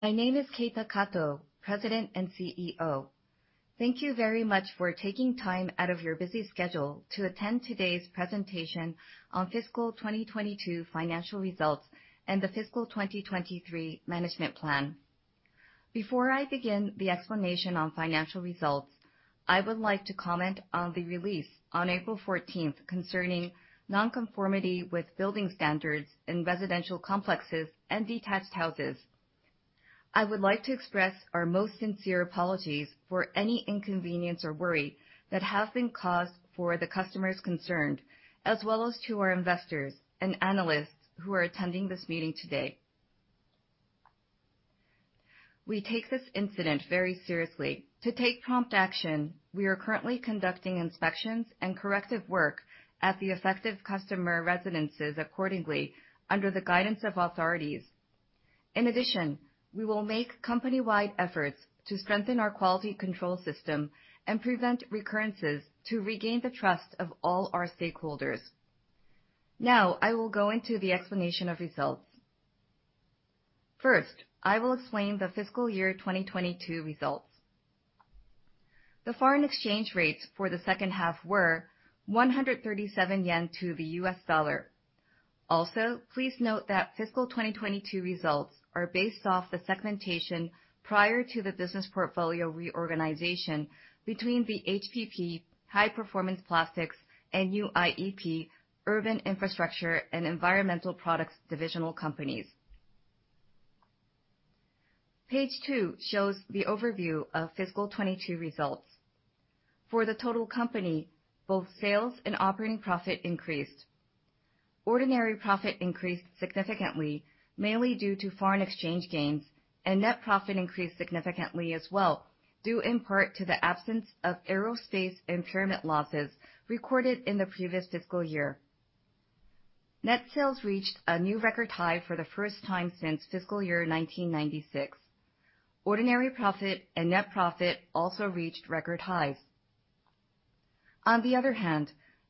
My name is Keita Kato, President and CEO. Thank you very much for taking time out of your busy schedule to attend today's presentation on fiscal 2022 financial results and the fiscal 2023 management plan. Before I begin the explanation on financial results, I would like to comment on the release on April 14th concerning non-conformity with building standards in residential complexes and detached houses. I would like to express our most sincere apologies for any inconvenience or worry that has been caused for the customers concerned, as well as to our investors and analysts who are attending this meeting today. We take this incident very seriously. To take prompt action, we are currently conducting inspections and corrective work at the affected customer residences accordingly under the guidance of authorities. In addition, we will make company-wide efforts to strengthen our quality control system and prevent recurrences to regain the trust of all our stakeholders. I will go into the explanation of results. I will explain the fiscal year 2022 results. The foreign exchange rates for the second half were 137 yen to the US dollar. Please note that fiscal 2022 results are based off the segmentation prior to the business portfolio reorganization between the HPP, High Performance Plastics, and UIEP, Urban Infrastructure & Environmental Products divisional companies. Page two shows the overview of fiscal 22 results. For the total company, both sales and operating profit increased. Ordinary profit increased significantly, mainly due to foreign exchange gains, and net profit increased significantly as well, due in part to the absence of aerospace impairment losses recorded in the previous fiscal year. Net sales reached a new record high for the first time since fiscal year 1996. Ordinary profit and net profit also reached record highs.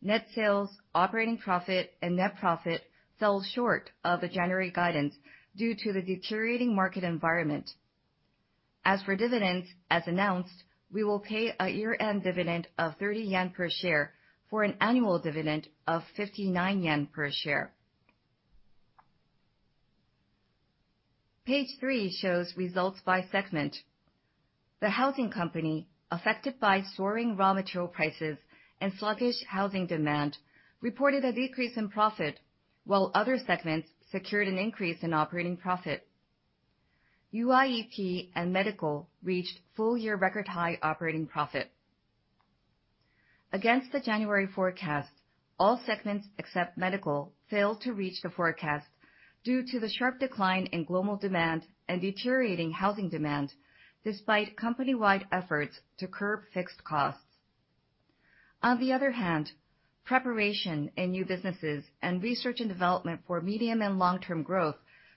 Net sales, operating profit, and net profit fell short of the January guidance due to the deteriorating market environment. As for dividends, as announced, we will pay a year-end dividend of 30 yen per share for an annual dividend of 59 yen per share. Page three shows results by segment. The Housing Company, affected by soaring raw material prices and sluggish housing demand, reported a decrease in profit while other segments secured an increase in operating profit. UIEP and Medical reached full-year record high operating profit. Against the January forecast, all segments except Medical failed to reach the forecast due to the sharp decline in global demand and deteriorating housing demand despite company-wide efforts to curb fixed costs. Preparation in new businesses and research and development for medium and long-term growth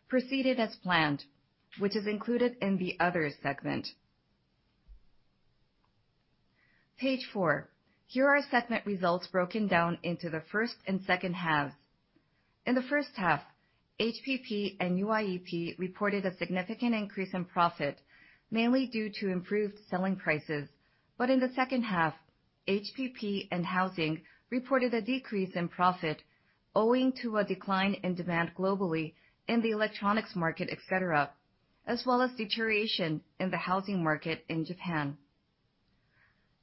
proceeded as planned, which is included in the other segment. Page four. Here are segment results broken down into the 1st and 2nd halves. In the firstt half, HPP and UIEP reported a significant increase in profit, mainly due to improved selling prices. In the second half, HPP and housing reported a decrease in profit owing to a decline in demand globally in the electronics market, et cetera, as well as deterioration in the housing market in Japan.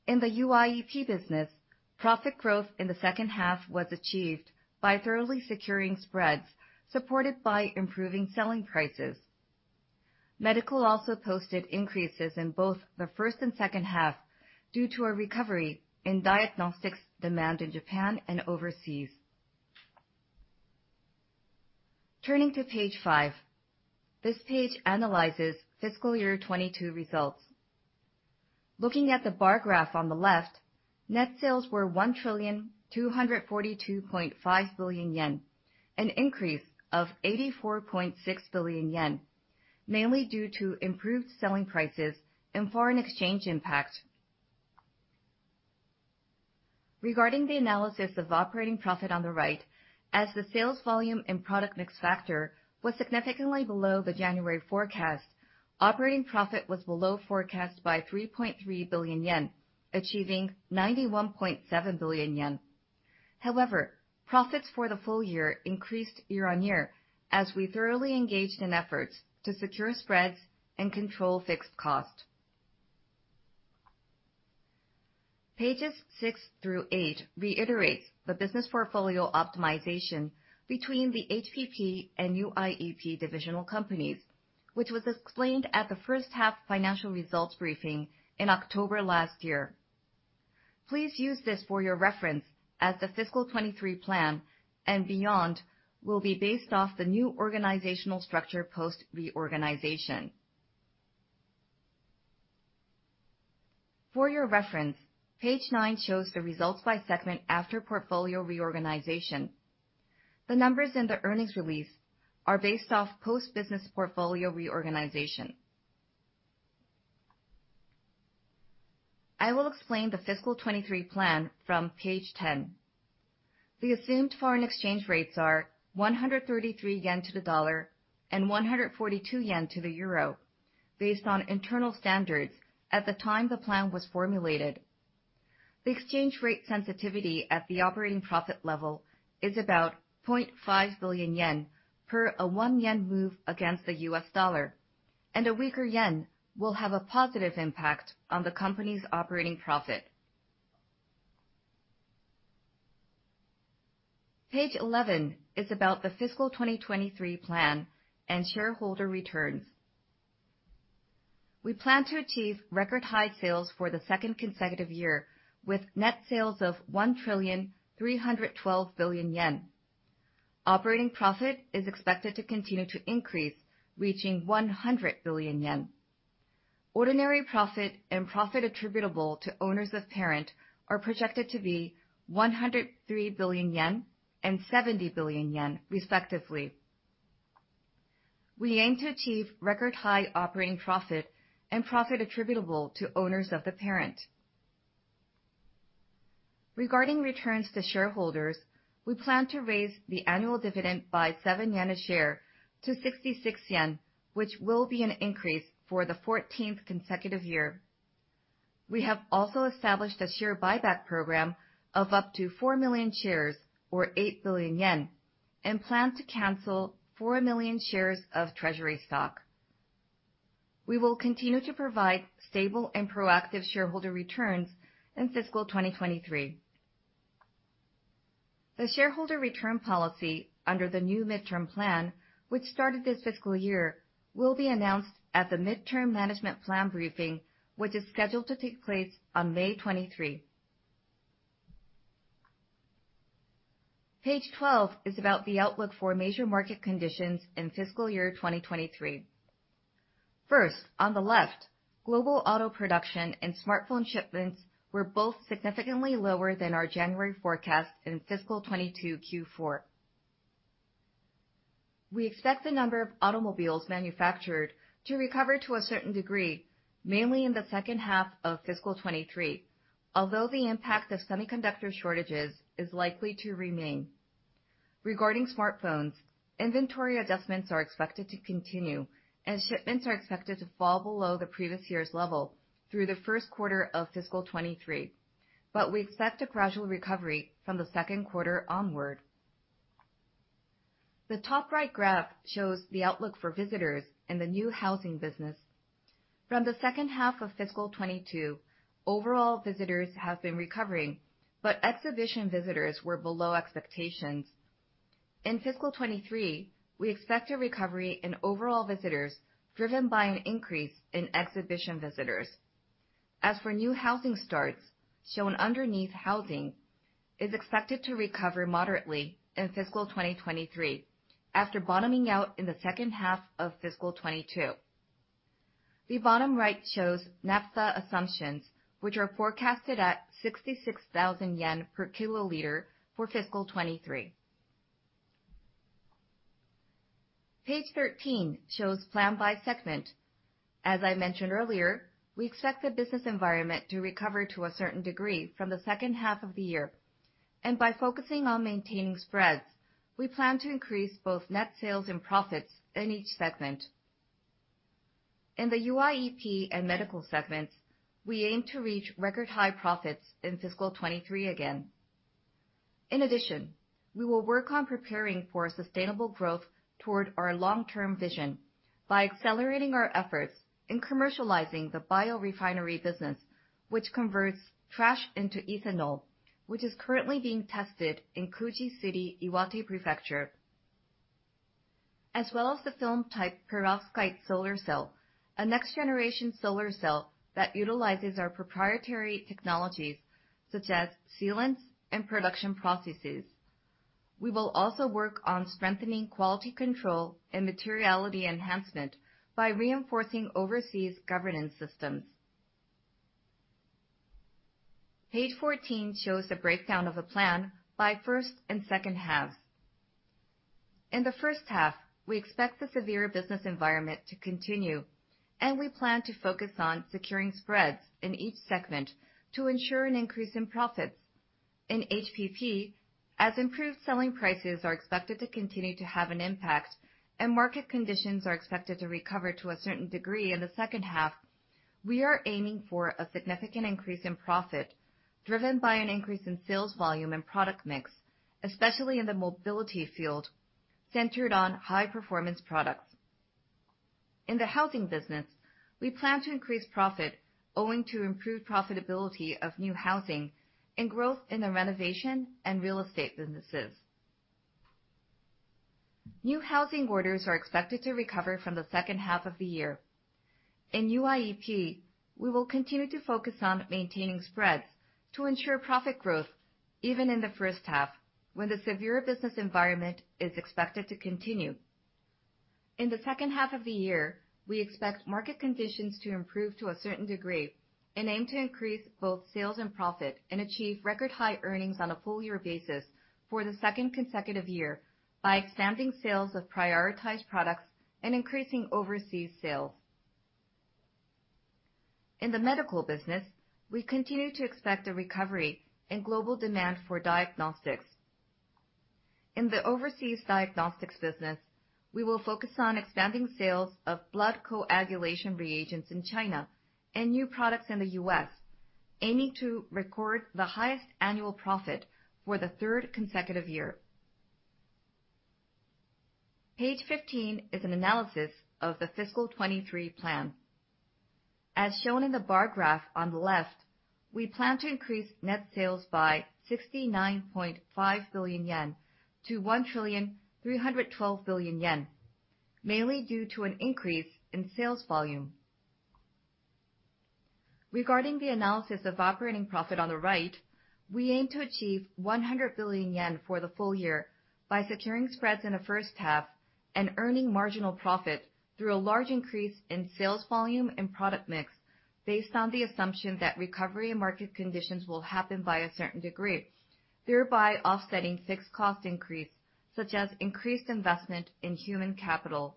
In the UIEP business, profit growth in the second half was achieved by thoroughly securing spreads supported by improving selling prices. Medical also posted increases in both the first and second half due to a recovery in diagnostics demand in Japan and overseas. Turning to page five. This page analyzes fiscal year 2022 results. Looking at the bar graph on the left, net sales were 1,242.5 billion yen, an increase of 84.6 billion yen, mainly due to improved selling prices and foreign exchange impact. Regarding the analysis of operating profit on the right, as the sales volume and product mix factor was significantly below the January forecast, operating profit was below forecast by 3.3 billion yen, achieving 91.7 billion yen. However, profits for the full-year increased year-over-year as we thoroughly engaged in efforts to secure spreads and control fixed cost. Pages six through eight reiterates the business portfolio optimization between the HPP and UIEP divisional companies, which was explained at the first half financial results briefing in October last year. Please use this for your reference as the fiscal 2023 plan and beyond will be based off the new organizational structure post reorganization. For your reference, page nine shows the results by segment after portfolio reorganization. The numbers in the earnings release are based off post business portfolio reorganization. I will explain the fiscal 23 plan from page 10. The assumed foreign exchange rates are 133 yen to the dollar and 142 yen to the euro based on internal standards at the time the plan was formulated. The exchange rate sensitivity at the operating profit level is about 0.5 billion yen per a 1 yen move against the US dollar. A weaker yen will have a positive impact on the company's operating profit. Page 11 is about the fiscal 2023 plan and shareholder returns. We plan to achieve record high sales for the second consecutive year with net sales of 1,312 billion yen. Operating profit is expected to continue to increase, reaching 100 billion yen. Ordinary profit and profit attributable to owners of parent are projected to be 103 billion yen and 70 billion yen, respectively. We aim to achieve record high operating profit and profit attributable to owners of the parent. Regarding returns to shareholders, we plan to raise the annual dividend by 7 yen a share to 66 yen, which will be an increase for the 14th consecutive year. We have also established a share buyback program of up to 4 million shares, or 8 billion yen, and plan to cancel 4 million shares of treasury stock. We will continue to provide stable and proactive shareholder returns in fiscal 2023. The shareholder return policy under the new midterm plan, which started this fiscal year, will be announced at the midterm management plan briefing, which is scheduled to take place on May 23. Page 12 is about the outlook for major market conditions in fiscal year 2023. First, on the left, global auto production and smartphone shipments were both significantly lower than our January forecast in fiscal 2022 Q4. We expect the number of automobiles manufactured to recover to a certain degree, mainly in the second half of fiscal 2023. The impact of semiconductor shortages is likely to remain. Regarding smartphones, inventory adjustments are expected to continue, and shipments are expected to fall below the previous year's level through the first quarter of fiscal 2023. We expect a gradual recovery from the second quarter onward. The top right graph shows the outlook for visitors in the new housing business. From the second half of fiscal 2022, overall visitors have been recovering, but exhibition visitors were below expectations. In fiscal 2023, we expect a recovery in overall visitors driven by an increase in exhibition visitors. As for new housing starts, shown underneath housing is expected to recover moderately in fiscal 2023 after bottoming out in the second half of fiscal 2022. The bottom right shows naphtha assumptions, which are forecasted at 66,000 yen per kiloliter for fiscal 2023. Page 13 shows plan by segment. As I mentioned earlier, we expect the business environment to recover to a certain degree from the second half of the year. By focusing on maintaining spreads, we plan to increase both net sales and profits in each segment. In the UIEP and medical segments, we aim to reach record high profits in fiscal 2023 again. In addition, we will work on preparing for sustainable growth toward our long-term vision by accelerating our efforts in commercializing the biorefinery business, which converts trash into ethanol, which is currently being tested in Kuji City, Iwate Prefecture, as well as the film-type perovskite solar cell, a next-generation solar cell that utilizes our proprietary technologies such as sealants and production processes. We will also work on strengthening quality control and materiality enhancement by reinforcing overseas governance systems. Page 14 shows the breakdown of the plan by first and second halves. In the first half, we expect the severe business environment to continue, and we plan to focus on securing spreads in each segment to ensure an increase in profits. In HPP, as improved selling prices are expected to continue to have an impact and market conditions are expected to recover to a certain degree in the second half, we are aiming for a significant increase in profit driven by an increase in sales volume and product mix, especially in the mobility field centered on high performance products. In the housing business, we plan to increase profit owing to improved profitability of new housing and growth in the renovation and real estate businesses. New housing orders are expected to recover from the second half of the year. In UIEP, we will continue to focus on maintaining spreads to ensure profit growth even in the first half, when the severe business environment is expected to continue. In the second half of the year, we expect market conditions to improve to a certain degree and aim to increase both sales and profit and achieve record high earnings on a full-year basis for the second consecutive year by expanding sales of prioritized products and increasing overseas sales. In the medical business, we continue to expect a recovery in global demand for diagnostics. In the overseas diagnostics business, we will focus on expanding sales of blood coagulation reagents in China and new products in the US, aiming to record the highest annual profit for the third consecutive year. Page 15 is an analysis of the fiscal 23 plan. As shown in the bar graph on the left, we plan to increase net sales by 69.5 billion yen to 1,312 billion yen, mainly due to an increase in sales volume. Regarding the analysis of operating profit on the right, we aim to achieve 100 billion yen for the full-year by securing spreads in the first half and earning marginal profit through a large increase in sales volume and product mix based on the assumption that recovery in market conditions will happen by a certain degree, thereby offsetting fixed cost increase, such as increased investment in human capital.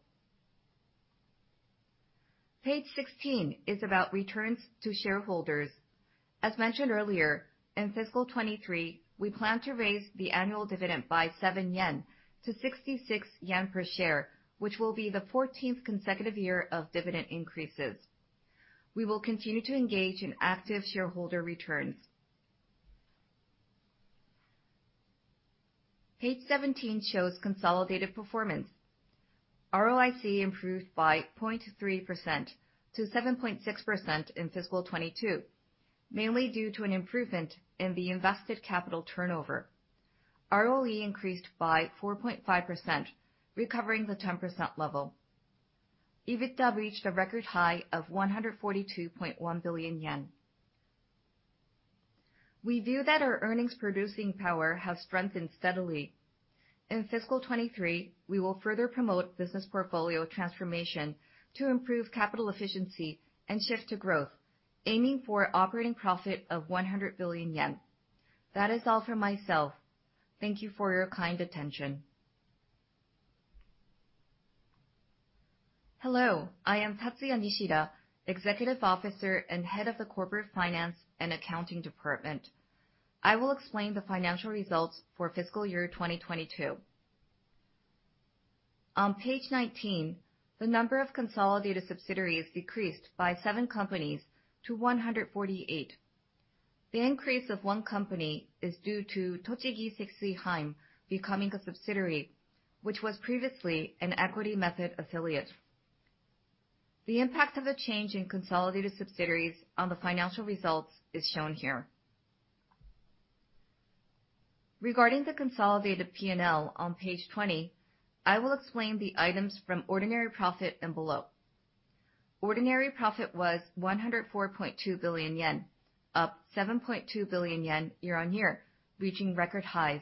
Page 16 is about returns to shareholders. As mentioned earlier, in fiscal 2023, we plan to raise the annual dividend by 7 yen to 66 yen per share, which will be the 14th consecutive year of dividend increases. We will continue to engage in active shareholder returns. Page 17 shows consolidated performance. ROIC improved by 0.3% to 7.6% in fiscal 2022, mainly due to an improvement in the invested capital turnover. ROE increased by 4.5%, recovering the 10% level. EBITDA reached a record high of 142.1 billion yen. We view that our earnings producing power have strengthened steadily. In fiscal 23, we will further promote business portfolio transformation to improve capital efficiency and shift to growth, aiming for operating profit of 100 billion yen. That is all for myself. Thank you for your kind attention. Hello, I am Tatsuya Nishida, Executive Officer and Head of the Corporate Finance and Accounting Department. I will explain the financial results for fiscal year 2022. On page 19, the number of consolidated subsidiaries decreased by seven companies to 148. The increase of 1 company is due to Tochigi Sekisui Heim becoming a subsidiary, which was previously an equity method affiliate. The impact of the change in consolidated subsidiaries on the financial results is shown here. Regarding the consolidated P&L on page 20, I will explain the items from ordinary profit and below. Ordinary profit was 104.2 billion yen, up 7.2 billion yen year-on-year, reaching record highs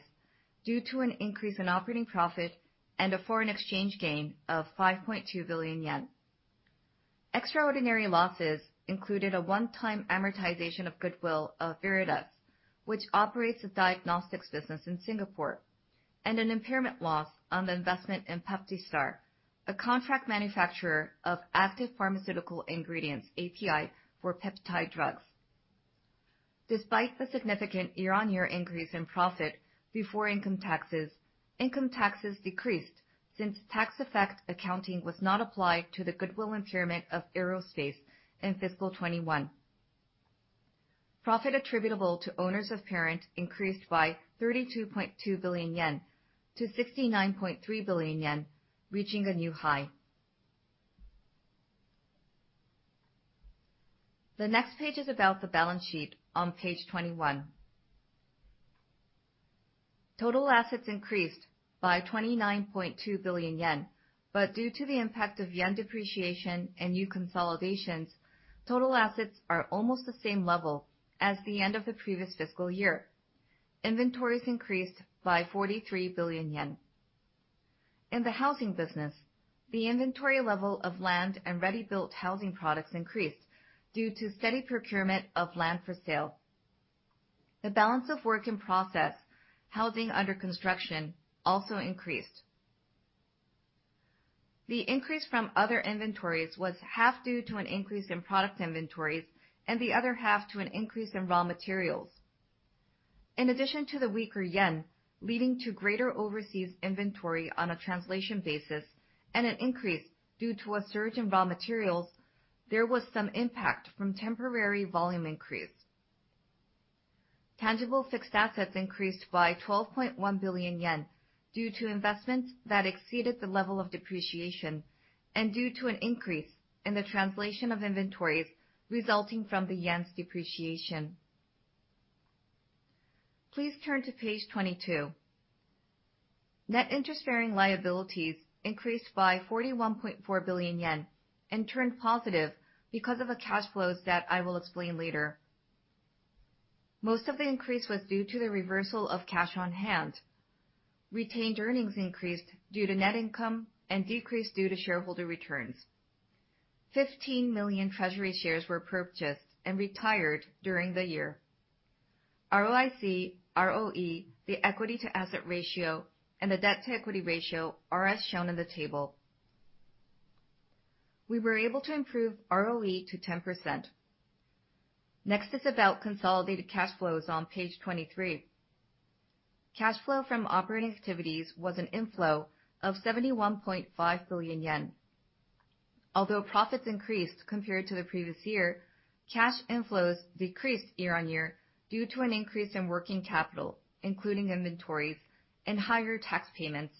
due to an increase in operating profit and a foreign exchange gain of 5.2 billion yen. Extraordinary losses included a one-time amortization of goodwill of Veredus, which operates the diagnostics business in Singapore, and an impairment loss on the investment in PeptiStar, a contract manufacturer of active pharmaceutical ingredients, API, for peptide drugs. Despite the significant year-on-year increase in profit before income taxes, income taxes decreased since tax effect accounting was not applied to the goodwill impairment of aerospace in fiscal 2021. Profit attributable to owners of parent increased by 32.2 billion yen to 69.3 billion yen, reaching a new high. The next page is about the balance sheet on page 21. Total assets increased by 29.2 billion yen. Due to the impact of yen depreciation and new consolidations, total assets are almost the same level as the end of the previous fiscal year. Inventories increased by 43 billion yen. In the housing business, the inventory level of land and ready-built housing products increased due to steady procurement of land for sale. The balance of work in process, housing under construction, also increased. The increase from other inventories was half due to an increase in product inventories and the other half to an increase in raw materials. In addition to the weaker yen leading to greater overseas inventory on a translation basis and an increase due to a surge in raw materials, there was some impact from temporary volume increase. Tangible fixed assets increased by 12.1 billion yen due to investments that exceeded the level of depreciation and due to an increase in the translation of inventories resulting from the yen's depreciation. Please turn to page 22. Net interest-bearing liabilities increased by 41.4 billion yen and turned positive because of the cash flows that I will explain later. Most of the increase was due to the reversal of cash on hand. Retained earnings increased due to net income and decreased due to shareholder returns. 15 million treasury shares were purchased and retired during the year. ROIC, ROE, the equity to asset ratio, and the debt to equity ratio are as shown in the table. We were able to improve ROE to 10%. Next is about consolidated cash flows on page 23. Cash flow from operating activities was an inflow of 71.5 billion yen. Although profits increased compared to the previous year, cash inflows decreased year-over-year due to an increase in working capital, including inventories and higher tax payments.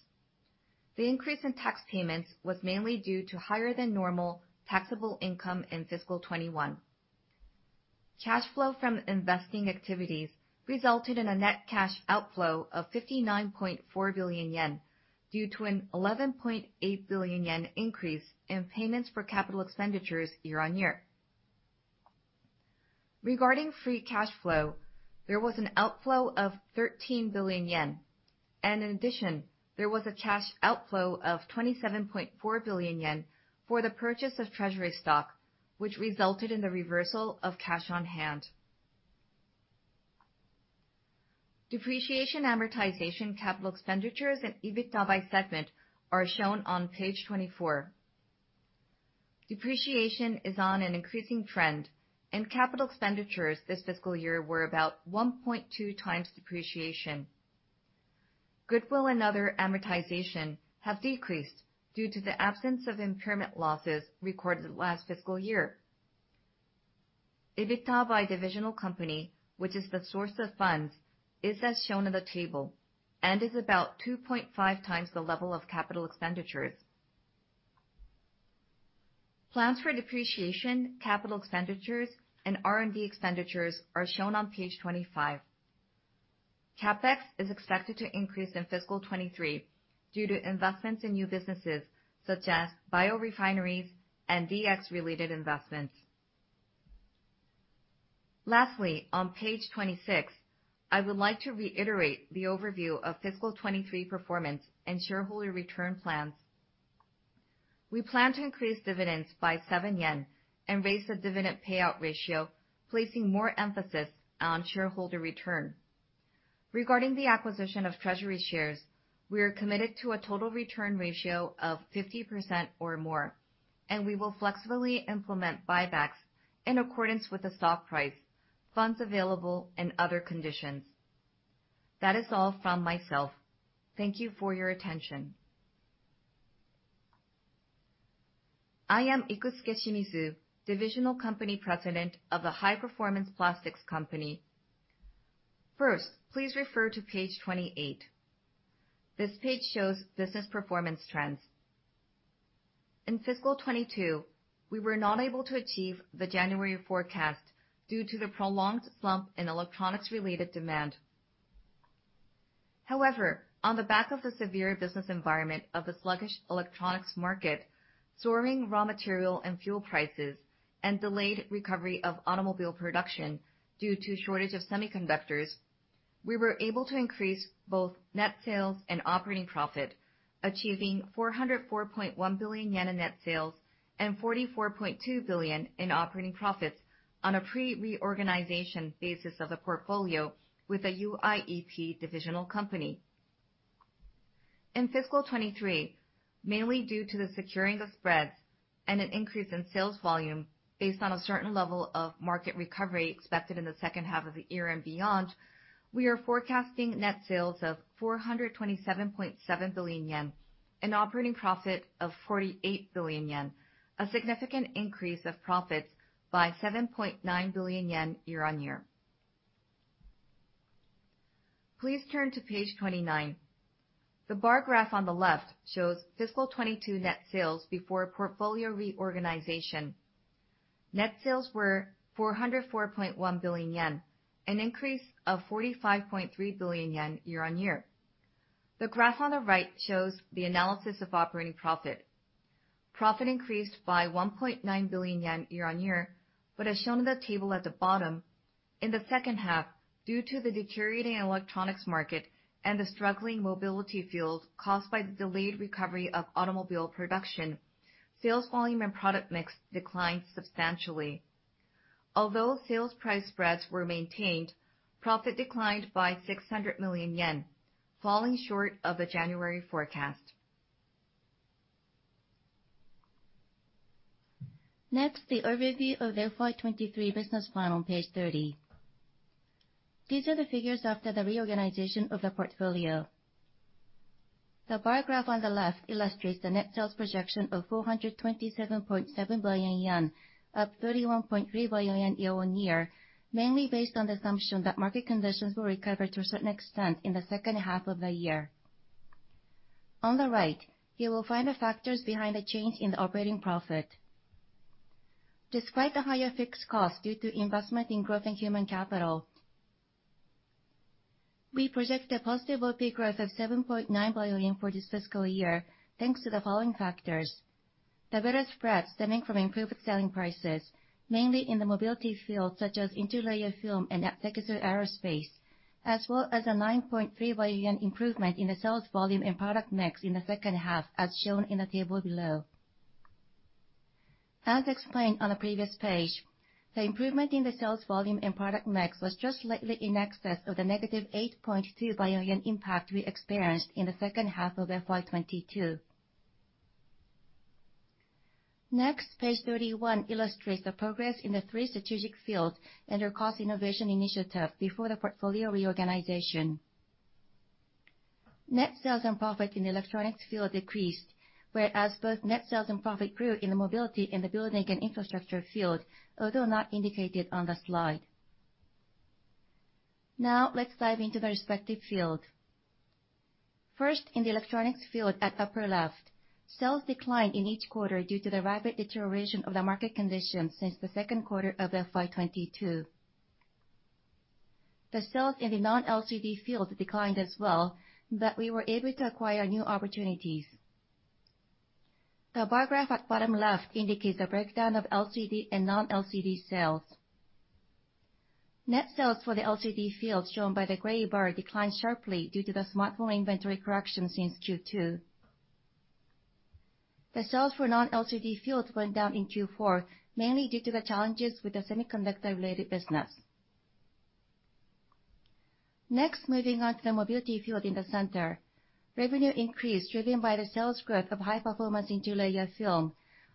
The increase in tax payments was mainly due to higher than normal taxable income in fiscal 2021. Cash flow from investing activities resulted in a net cash outflow of 59.4 billion yen due to a 11.8 billion yen increase in payments for CapEx year-over-year. Regarding free cash flow, there was an outflow of 13 billion yen. In addition, there was a cash outflow of 27.4 billion yen for the purchase of treasury stock, which resulted in the reversal of cash on hand. Depreciation amortization capital expenditures and EBITDA by segment are shown on page 24. Depreciation is on an increasing trend, and capital expenditures this fiscal year were about 1.2 times depreciation. Goodwill and other amortization have decreased due to the absence of impairment losses recorded last fiscal year. EBITDA by divisional company, which is the source of funds, is as shown in the table, and is about 2.5 times the level of capital expenditures. Plans for depreciation, capital expenditures and R&D expenditures are shown on page 25. CapEx is expected to increase in fiscal 2023 due to investments in new businesses such as biorefineries and DX-related investments. Lastly, on page 26, I would like to reiterate the overview of fiscal 2023 performance and shareholder return plans. We plan to increase dividends by 7 yen and raise the dividend payout ratio, placing more emphasis on shareholder return. Regarding the acquisition of treasury shares, we are committed to a total return ratio of 50% or more. We will flexibly implement buybacks in accordance with the stock price, funds available, and other conditions. That is all from myself. Thank you for your attention. I am Ikusuke Shimizu, Divisional Company President of the High Performance Plastics Company. First, please refer to page 28. This page shows business performance trends. In fiscal 2022, we were not able to achieve the January forecast due to the prolonged slump in electronics-related demand. On the back of the severe business environment of the sluggish electronics market, soaring raw material and fuel prices, and delayed recovery of automobile production due to shortage of semiconductors, we were able to increase both net sales and operating profit, achieving 404.1 billion yen in net sales and 44.2 billion in operating profits on a pre-reorganization basis of the portfolio with a UIEP divisional company. In fiscal 2023, mainly due to the securing of spreads and an increase in sales volume based on a certain level of market recovery expected in the second half of the year and beyond, we are forecasting net sales of 427.7 billion yen, an operating profit of 48 billion yen, a significant increase of profits by 7.9 billion yen year-on-year. Please turn to page 29. The bar graph on the left shows fiscal 2022 net sales before portfolio reorganization. Net sales were 404.1 billion yen, an increase of 45.3 billion yen year-on-year. The graph on the right shows the analysis of operating profit. Profit increased by 1.9 billion yen year-on-year. As shown in the table at the bottom, in the second half, due to the deteriorating electronics market and the struggling mobility field caused by the delayed recovery of automobile production, sales volume and product mix declined substantially. Although sales price spreads were maintained, profit declined by 600 million yen, falling short of the January forecast. Next, the overview of the FY2023 business plan on page 30. These are the figures after the reorganization of the portfolio. The bar graph on the left illustrates the net sales projection of 427.7 billion yen, up 31.3 billion yen year-on-year, mainly based on the assumption that market conditions will recover to a certain extent in the second half of the year. On the right, you will find the factors behind the change in the operating profit. Despite the higher fixed cost due to investment in growth in human capital, we project a positive OP growth of 7.9 billion for this fiscal year, thanks to the following factors. The better spreads stemming from improved selling prices, mainly in the mobility field such as interlayer film and Sekisui Aerospace, as well as a 9.3 billion improvement in the sales volume and product mix in the second half, as shown in the table below. Explained on a previous page, the improvement in the sales volume and product mix was just slightly in excess of the negative 8.2 billion impact we experienced in the second half of FY 2022. Page 31 illustrates the progress in the three strategic fields and their cost innovation initiative before the portfolio reorganization. Net sales and profit in the electronics field decreased, whereas both net sales and profit grew in the mobility and the building and infrastructure field, although not indicated on the slide. Let's dive into the respective field. In the electronics field at upper left, sales declined in each quarter due to the rapid deterioration of the market conditions since the second quarter of FY 2022. The sales in the non-LCD field declined as well, but we were able to acquire new opportunities. The bar graph at bottom left indicates a breakdown of LCD and non-LCD sales. Net sales for the LCD field, shown by the gray bar, declined sharply due to the smartphone inventory correction since Q2. The sales for non-LCD fields went down in Q4, mainly due to the challenges with the semiconductor-related business. Moving on to the mobility field in the center. Revenue increased, driven by the sales growth of high-performance interlayer film,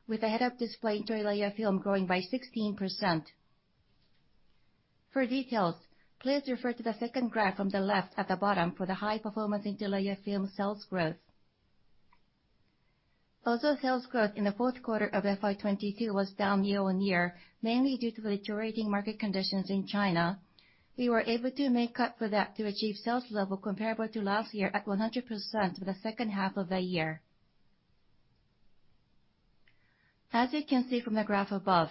with the head-up display interlayer film growing by 16%. For details, please refer to the second graph on the left at the bottom for the high-performance interlayer film sales growth. Sales growth in the fourth quarter of FY 2022 was down year-on-year, mainly due to the deteriorating market conditions in China. We were able to make up for that to achieve sales level comparable to last year at 100% for the second half of the year. As you can see from the graph above,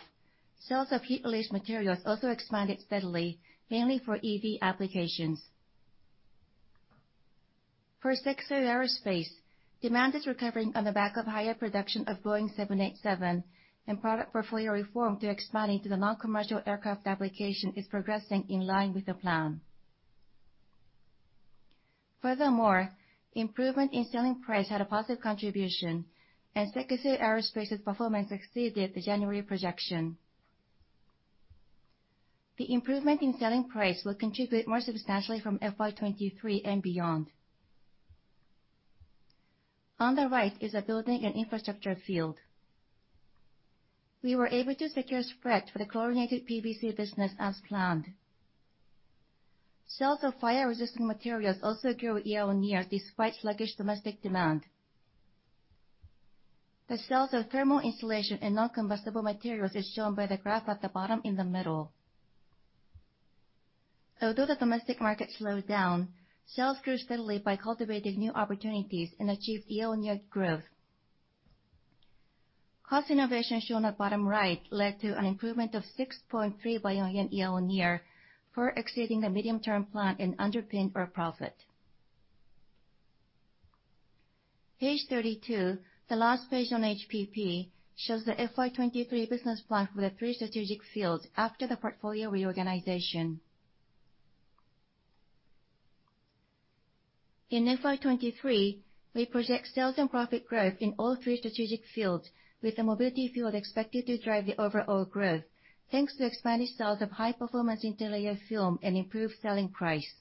sales of heat-release materials also expanded steadily, mainly for EV applications. For SEKISUI Aerospace, demand is recovering on the back of higher production of Boeing 787, and product portfolio reform to expand into the non-commercial aircraft application is progressing in line with the plan. Furthermore, improvement in selling price had a positive contribution, and SEKISUI Aerospace's performance exceeded the January projection. The improvement in selling price will contribute more substantially from FY 2023 and beyond. On the right is a building and infrastructure field. We were able to secure spread for the chlorinated PVC business as planned. Sales of flame-resistant materials also grew year-on-year despite sluggish domestic demand. The sales of thermal insulation and non-combustible materials is shown by the graph at the bottom in the middle. The domestic market slowed down, sales grew steadily by cultivating new opportunities and achieved year-on-year growth. Cost innovation, shown at bottom right, led to an improvement of 6.3 billion yen year-on-year, far exceeding the medium-term plan and underpinning our profit. Page 32, the last page on HPP, shows the FY 2023 business plan for the three strategic fields after the portfolio reorganization. In FY 2023, we project sales and profit growth in all three strategic fields, with the mobility field expected to drive the overall growth thanks to expanded sales of high-performance interlayer film and improved selling price.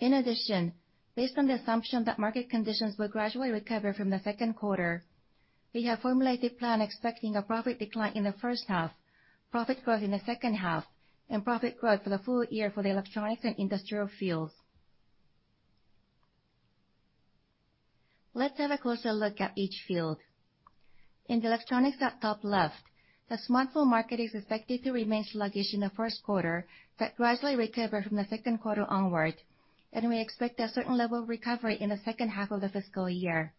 Based on the assumption that market conditions will gradually recover from the second quarter, we have formulated plan expecting a profit decline in the first half, profit growth in the second half, and profit growth for the full-year for the electronics and industrial fields. Let's have a closer look at each field. In the electronics at top left, the smartphone market is expected to remain sluggish in the first quarter, but gradually recover from the second quarter onward, and we expect a certain level of recovery in the second half of the fiscal year.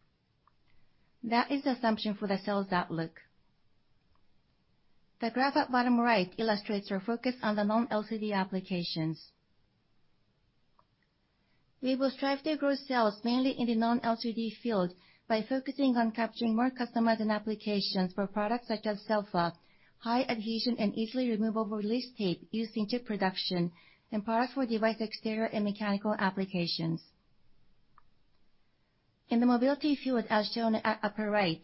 That is the assumption for the sales outlook. The graph at bottom right illustrates our focus on the non-LCD applications. We will strive to grow sales mainly in the non-LCD field by focusing on capturing more customers and applications for products such as SELFA, high adhesion and easily removable release tape used in chip production, and products for device exterior and mechanical applications. In the mobility field, as shown at upper right,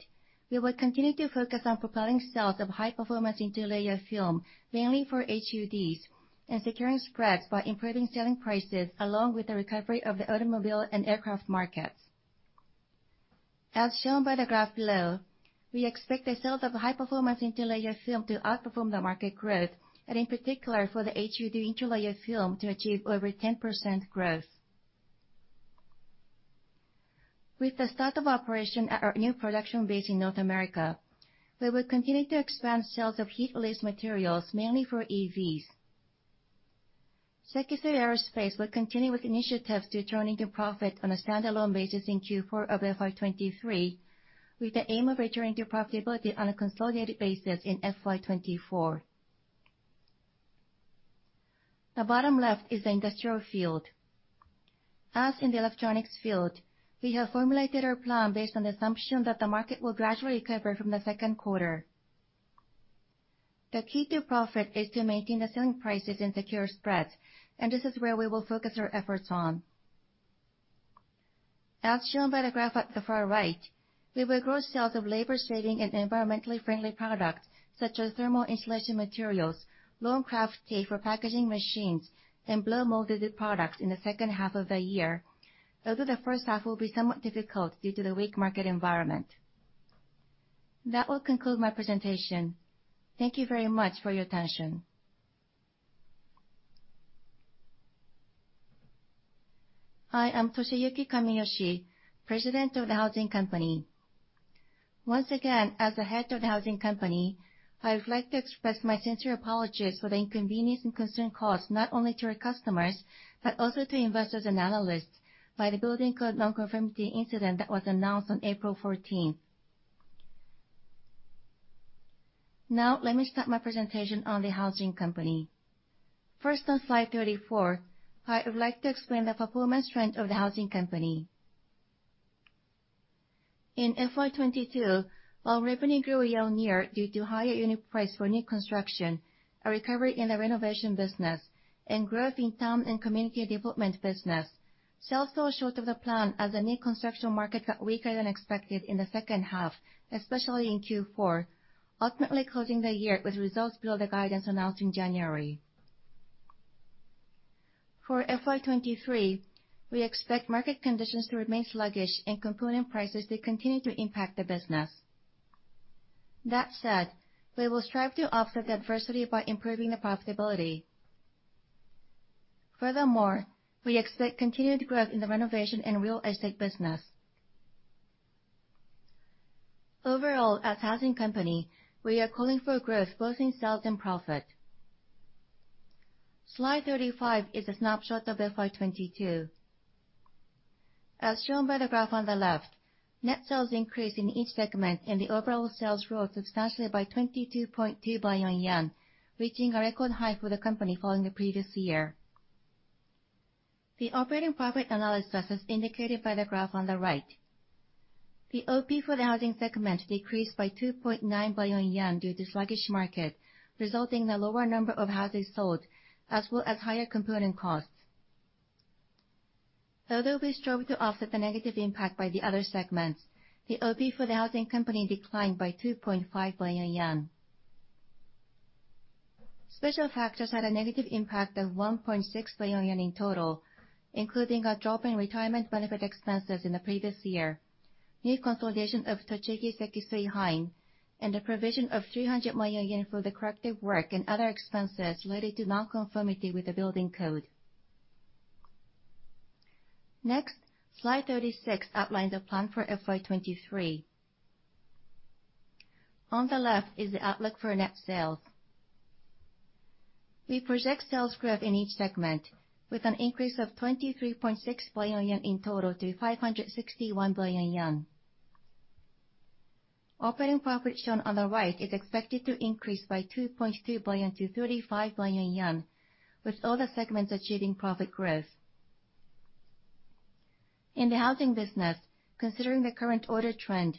we will continue to focus on propelling sales of high-performance interlayer film, mainly for HUDs, and securing spreads by improving selling prices along with the recovery of the automobile and aircraft markets. As shown by the graph below, we expect the sales of high-performance interlayer film to outperform the market growth, and in particular, for the HUD interlayer film to achieve over 10% growth. With the start of operation at our new production base in North America, we will continue to expand sales of heat-release materials, mainly for EVs. SEKISUI Aerospace will continue with initiatives to turning to profit on a standalone basis in Q4 of FY 2023, with the aim of returning to profitability on a consolidated basis in FY 2024. The bottom left is the industrial field. As in the electronics field, we have formulated our plan based on the assumption that the market will gradually recover from the second quarter. The key to profit is to maintain the selling prices and secure spreads. This is where we will focus our efforts on. As shown by the graph at the far right, we will grow sales of labor-saving and environmentally friendly products, such as thermal insulation materials, long kraft tape for packaging machines, and blow-molded products in the second half of the year, although the first half will be somewhat difficult due to the weak market environment. That will conclude my presentation. Thank you very much for your attention. I am Toshiyuki Kamiyoshi, President of the Housing Company. Once again, as the head of the Housing Company, I would like to express my sincere apologies for the inconvenience and concern caused not only to our customers, but also to investors and analysts by the building code non-conformity incident that was announced on April 14th. Let me start my presentation on the Housing Company. On slide 34, I would like to explain the performance trend of the Housing Company. In FY 2022, while revenue grew year-over-year due to higher unit price for new construction, a recovery in the renovation business, and growth in town and community development business, sales fell short of the plan as the new construction market got weaker than expected in the second half, especially in Q4, ultimately closing the year with results below the guidance announced in January. For FY 2023, we expect market conditions to remain sluggish and component prices to continue to impact the business. That said, we will strive to offset the adversity by improving the profitability. We expect continued growth in the renovation and real estate business. At Housing Company, we are calling for growth both in sales and profit. Slide 35 is a snapshot of FY 2022. As shown by the graph on the left, net sales increased in each segment and the overall sales growth substantially by 22.2 billion yen, reaching a record high for the company following the previous year. The operating profit analysis, as indicated by the graph on the right. The OP for the housing segment decreased by 2.9 billion yen due to sluggish market, resulting in a lower number of houses sold, as well as higher component costs. Although we strove to offset the negative impact by the other segments, the OP for the housing company declined by 2.5 billion yen. Special factors had a negative impact of 1.6 billion yen in total, including a drop in retirement benefit expenses in the previous year, new consolidation of Tochigi Sekisui Heim, and the provision of 300 million yen for the corrective work and other expenses related to non-conformity with the building code. Slide 36 outlines the plan for FY 2023. On the left is the outlook for net sales. We project sales growth in each segment with an increase of 23.6 billion yen in total to 561 billion yen. Operating profit shown on the right is expected to increase by 2.2 billion to 35 billion yen, with all the segments achieving profit growth. In the housing business, considering the current order trend,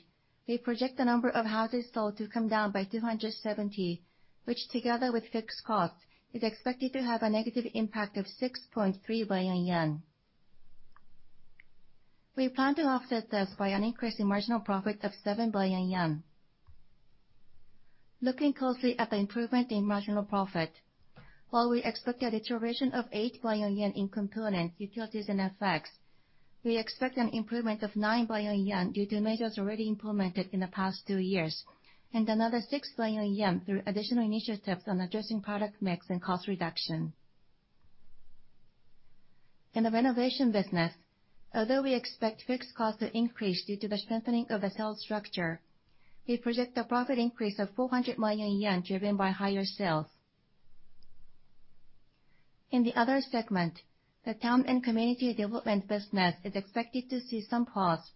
we project the number of houses sold to come down by 270, which together with fixed costs is expected to have a negative impact of 6.3 billion yen. We plan to offset this by an increase in marginal profit of 7 billion yen. Looking closely at the improvement in marginal profit, while we expect a deterioration of 8 billion yen in components, utilities and FX, we expect an improvement of 9 billion yen due to measures already implemented in the past two years, and another 6 billion yen through additional initiatives on addressing product mix and cost reduction. In the renovation business, although we expect fixed costs to increase due to the strengthening of the sales structure, we project a profit increase of 400 million yen driven by higher sales. In the other segment, the town and community development business is expected to see some pause.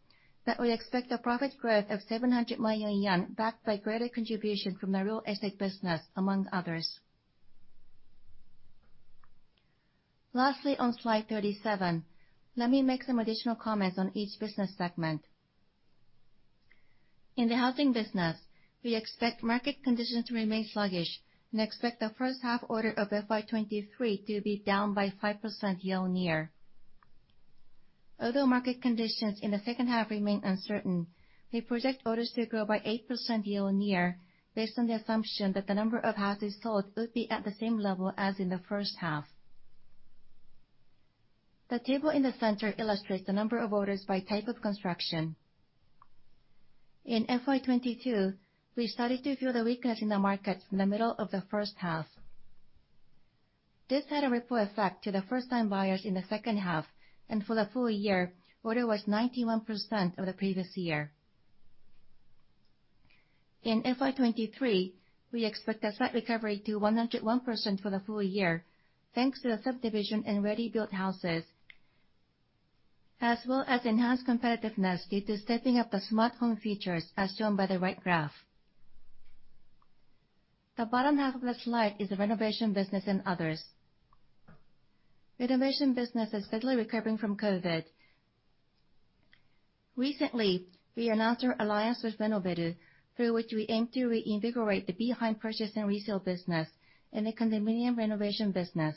We expect a profit growth of 700 million yen backed by greater contributions from the real estate business, among others. Lastly, on slide 37, let me make some additional comments on each business segment. In the housing business, we expect market conditions to remain sluggish and expect the first half order of FY 2023 to be down by 5% year-on-year. Although market conditions in the second half remain uncertain, we project orders to grow by 8% year-on-year based on the assumption that the number of houses sold would be at the same level as in the first half. The table in the center illustrates the number of orders by type of construction. In FY 2022, we started to feel the weakness in the markets in the middle of the first half. This had a ripple effect to the first time buyers in the second half, and for the full-year, order was 91% of the previous year. In FY 2023, we expect a slight recovery to 101% for the full-year, thanks to the subdivision in ready-built houses, as well as enhanced competitiveness due to stepping up the smart home features, as shown by the right graph. The bottom half of the slide is the renovation business and others. Renovation business is steadily recovering from COVID. Recently, we announced our alliance with Renoveru, through which we aim to reinvigorate the behind purchase and resale business in the condominium renovation business.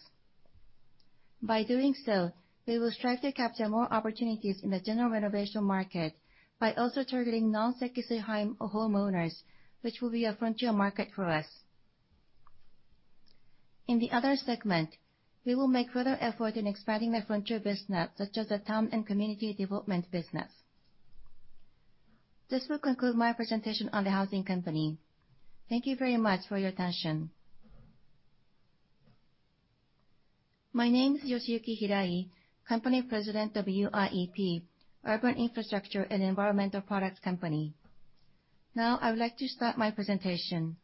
We will strive to capture more opportunities in the general renovation market by also targeting non-Sekisui Heim homeowners, which will be a frontier market for us. In the other segment, we will make further effort in expanding the frontier business, such as the town and community development business. This will conclude my presentation on the housing company. Thank you very much for your attention. My name is Yoshiyuki Hirai, Company President of UIEP, Urban Infrastructure & Environmental Products Company. I would like to start my presentation.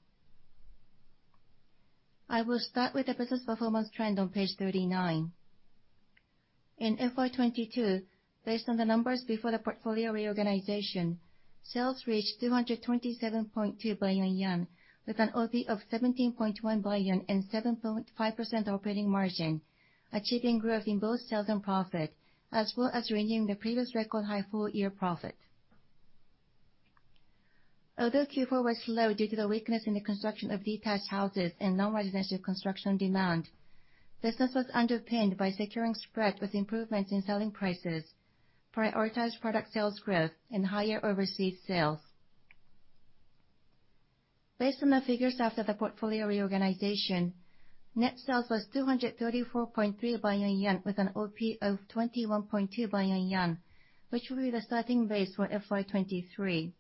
I will start with the business performance trend on page 39. In FY 2022, based on the numbers before the portfolio reorganization, sales reached 227.2 billion yen, with an OP of 17.1 billion and 7.5% operating margin, achieving growth in both sales and profit, as well as reaching the previous record high full-year profit. Q4 was slow due to the weakness in the construction of detached houses and non-residential construction demand, business was underpinned by securing spread with improvements in selling prices, prioritized product sales growth, and higher overseas sales. Based on the figures after the portfolio reorganization, net sales was 234.3 billion yen, with an OP of 21.2 billion yen, which will be the starting base for FY 2023.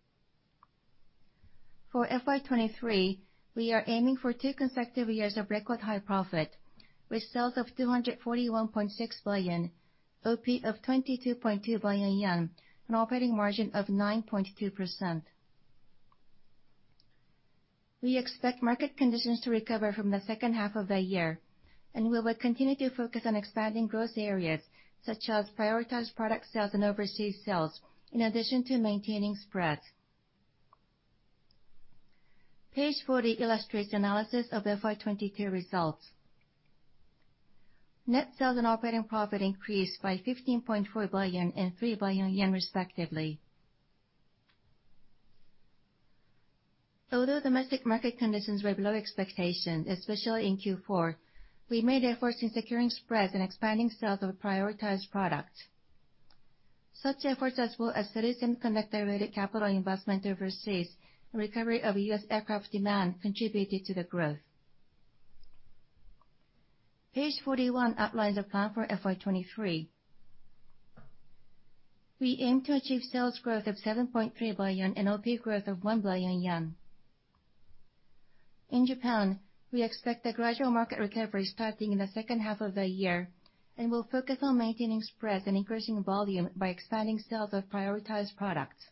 For FY 2023, we are aiming for two consecutive years of record high profit, with sales of 241.6 billion, OP of 22.2 billion yen, an operating margin of 9.2%. We expect market conditions to recover from the second half of the year. We will continue to focus on expanding growth areas such as prioritized product sales and overseas sales, in addition to maintaining spreads. Page 40 illustrates the analysis of FY 2022 results. Net sales and operating profit increased by 15.4 billion and 3 billion yen respectively. Although domestic market conditions were below expectations, especially in Q4, we made efforts in securing spreads and expanding sales of prioritized products. Such efforts, as well as semiconductor-related capital investment overseas and recovery of U.S. aircraft demand contributed to the growth. Page 41 outlines the plan for FY 2023. We aim to achieve sales growth of 7.3 billion and OP growth of 1 billion yen. In Japan, we expect a gradual market recovery starting in the second half of the year. We'll focus on maintaining spreads and increasing volume by expanding sales of prioritized products.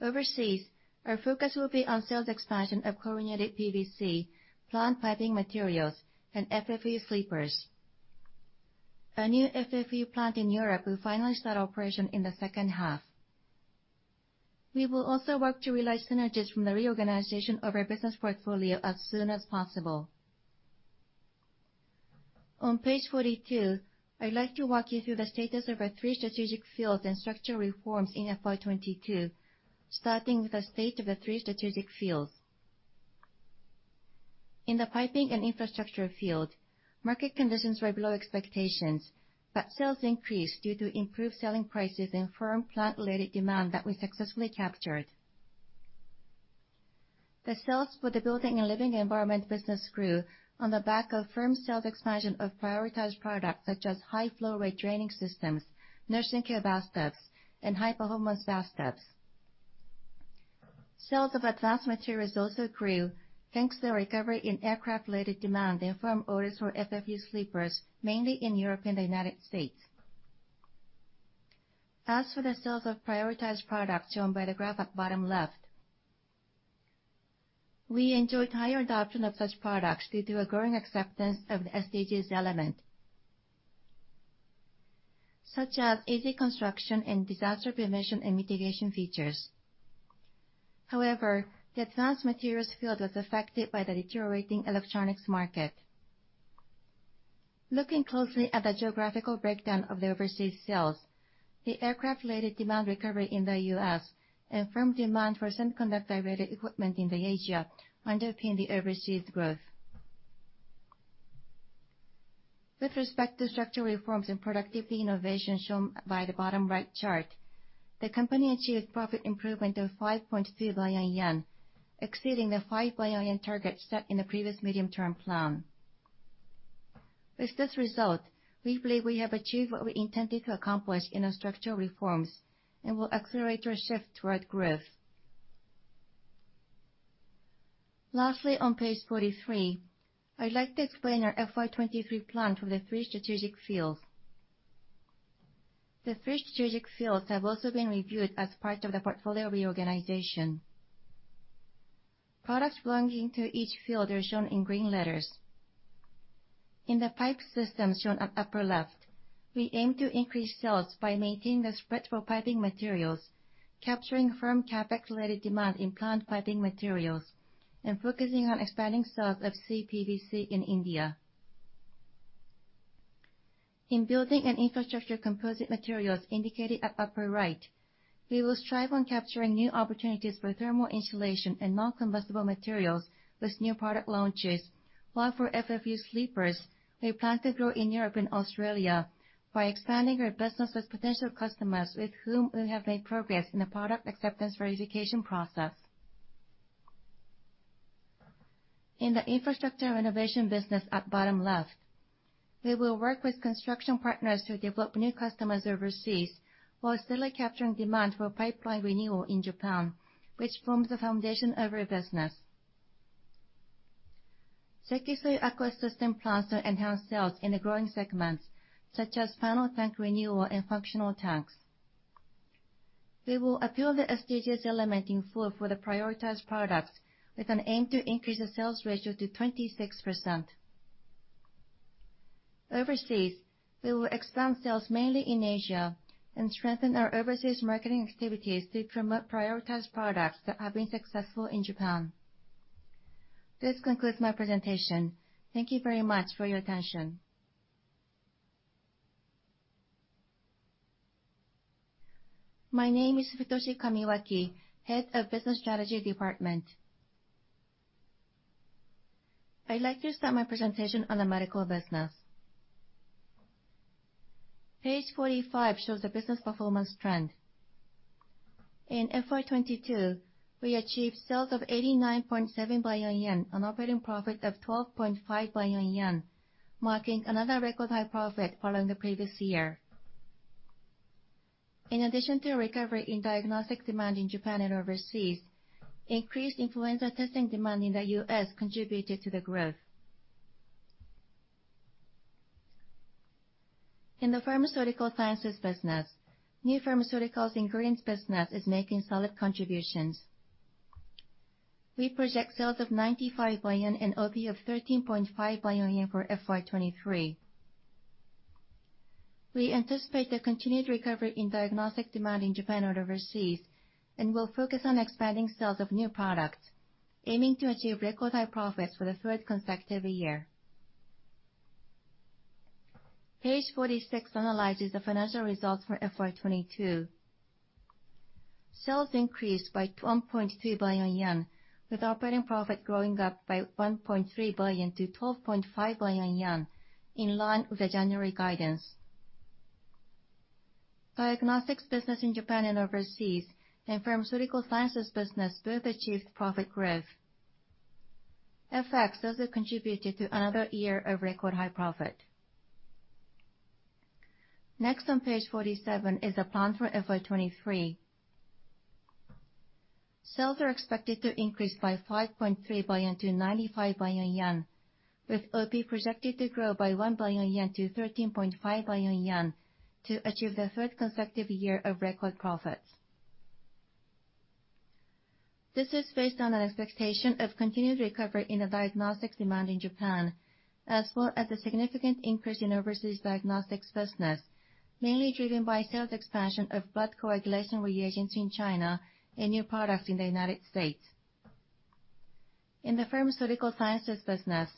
Overseas, our focus will be on sales expansion of chlorinated PVC, plant piping materials, and FFU sleepers. A new FFU plant in Europe will finalize that operation in the second half. We will also work to realize synergies from the reorganization of our business portfolio as soon as possible. On page 42, I'd like to walk you through the status of our three strategic fields and structural reforms in FY 2022, starting with the state of the three strategic fields. In the piping and infrastructure field, market conditions were below expectations, but sales increased due to improved selling prices and firm plant-related demand that we successfully captured. The sales for the building and living environment business grew on the back of firm sales expansion of prioritized products such as high flow rate draining systems, nursing care bathtubs, and high performance bathtubs. Sales of advanced materials also grew thanks to the recovery in aircraft-related demand and firm orders for FFU sleepers, mainly in Europe and the United States. As for the sales of prioritized products shown by the graph at bottom left, we enjoyed higher adoption of such products due to a growing acceptance of the SDGs element, such as easy construction and disaster prevention and mitigation features. However, the advanced materials field was affected by the deteriorating electronics market. Looking closely at the geographical breakdown of the overseas sales, the aircraft-related demand recovery in the U.S. and firm demand for semiconductor-related equipment in Asia underpin the overseas growth. With respect to structural reforms and productivity innovation shown by the bottom right chart, the company achieved profit improvement of 5.2 billion yen, exceeding the 5 billion yen target set in the previous medium-term plan. With this result, we believe we have achieved what we intended to accomplish in our structural reforms and will accelerate our shift toward growth. Lastly, on page 43, I'd like to explain our FY 2023 plan for the three strategic fields. The three strategic fields have also been reviewed as part of the portfolio reorganization. Products belonging to each field are shown in green letters. In the pipe system shown at upper left, we aim to increase sales by maintaining the spread for piping materials, capturing firm CapEx-related demand in plant piping materials, and focusing on expanding sales of CPVC in India. In building and infrastructure composite materials indicated at upper right, we will strive on capturing new opportunities for thermal insulation and non-combustible materials with new product launches. For FFU sleepers, we plan to grow in Europe and Australia by expanding our business with potential customers with whom we have made progress in the product acceptance verification process. In the infrastructure renovation business at bottom left, we will work with construction partners to develop new customers overseas, while still capturing demand for pipeline renewal in Japan, which forms the foundation of our business. Sekisui Aqua System plans to enhance sales in the growing segments, such as final tank renewal and functional tanks. We will appeal the SDGs element in full for the prioritized products with an aim to increase the sales ratio to 26%. Overseas, we will expand sales mainly in Asia and strengthen our overseas marketing activities to promote prioritized products that have been successful in Japan. This concludes my presentation. Thank you very much for your attention. My name is Futoshi Kamiwaki, Head of Business Strategy Department. I'd like to start my presentation on the medical business. Page 45 shows the business performance trend. In FY 2022, we achieved sales of 89.7 billion yen, an operating profit of 12.5 billion yen, marking another record high profit following the previous year. Recovery in diagnostic demand in Japan and overseas, increased influenza testing demand in the U.S. contributed to the growth. In the pharmaceutical sciences business, new pharmaceuticals ingredients business is making solid contributions. We project sales of 95 billion and OP of 13.5 billion yen for FY 2023. We anticipate the continued recovery in diagnostic demand in Japan and overseas. We'll focus on expanding sales of new products, aiming to achieve record high profits for the third consecutive year. Page 46 analyzes the financial results for FY 2022. Sales increased by 1.2 billion yen, with operating profit growing up by 1.3 billion to 12.5 billion yen, in line with the January guidance. Diagnostics business in Japan and overseas and pharmaceutical sciences business both achieved profit growth. FX also contributed to another year of record high profit. On page 47 is a plan for FY 2023. Sales are expected to increase by 5.3 billion to 95 billion yen, with OP projected to grow by 1 billion yen to 13.5 billion yen to achieve the 3rd consecutive year of record profits. This is based on an expectation of continued recovery in the diagnostics demand in Japan, as well as a significant increase in overseas diagnostics business, mainly driven by sales expansion of blood coagulation reagents in China and new products in the United States. In the pharmaceutical sciences business,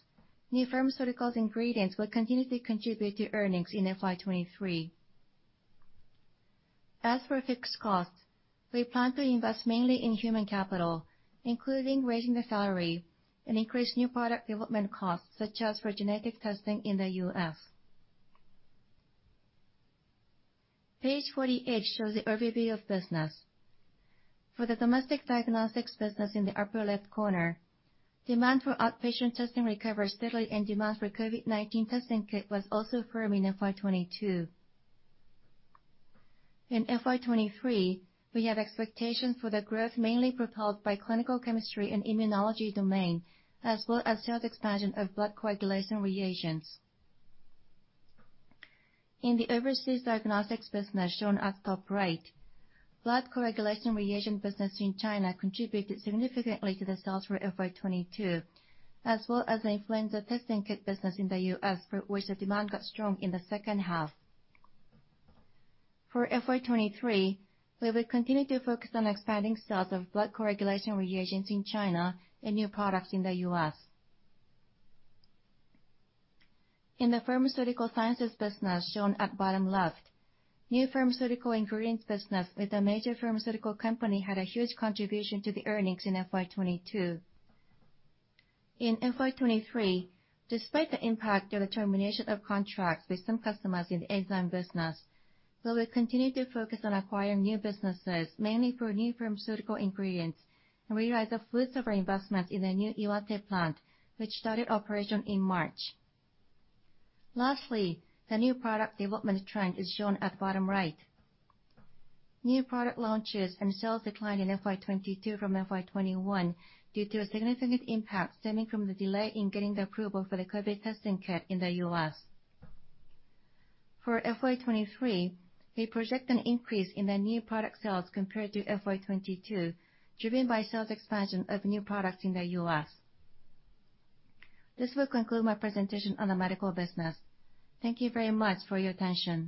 new pharmaceuticals ingredients will continue to contribute to earnings in FY 2023. As for fixed costs, we plan to invest mainly in human capital, including raising the salary and increase new product development costs, such as for genetic testing in the U.S. Page 48 shows the overview of business. For the domestic diagnostics business in the upper left corner, demand for outpatient testing recovered steadily, and demand for COVID-19 testing kit was also firm in FY 2022. In FY 2023, we have expectations for the growth mainly propelled by clinical chemistry and immunology domain, as well as sales expansion of blood coagulation reagents. In the overseas diagnostics business shown at top right, blood coagulation reagent business in China contributed significantly to the sales for FY 2022, as well as the influenza testing kit business in the US, for which the demand got strong in the second half. For FY 2023, we will continue to focus on expanding sales of blood coagulation reagents in China and new products in the US. In the pharmaceutical sciences business shown at bottom left, new pharmaceutical ingredients business with a major pharmaceutical company had a huge contribution to the earnings in FY 2022. In FY 2023, despite the impact of the termination of contracts with some customers in the enzyme business, we will continue to focus on acquiring new businesses, mainly for new pharmaceutical ingredients, and realize the fruits of our investments in the new Iwate plant, which started operation in March. Lastly, the new product development trend is shown at bottom right. New product launches and sales declined in FY 2022 from FY 2021 due to a significant impact stemming from the delay in getting the approval for the COVID testing kit in the U.S. For FY 2023, we project an increase in the new product sales compared to FY 2022, driven by sales expansion of new products in the U.S. This will conclude my presentation on the medical business. Thank you very much for your attention.